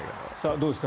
どうですか？